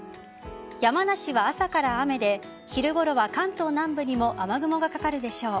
山梨は朝から雨で昼ごろは関東南部にも雨雲がかかるでしょう。